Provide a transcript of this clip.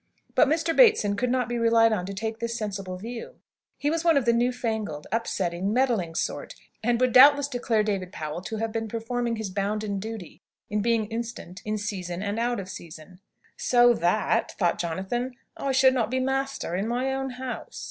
But Mr. Bateson could not be relied on to take this sensible view. He was one of the new fangled, upsetting, meddling sort, and would doubtless declare David Powell to have been performing his bounden duty, in being instant in season and out of season. "So that," thought Jonathan, "I should not be master in my own house!"